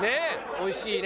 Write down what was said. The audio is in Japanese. おいしいね。